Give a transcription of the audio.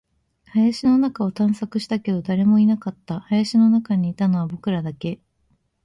林の中を探索したけど、誰もいなかった。林の中にいたのは僕らだけ。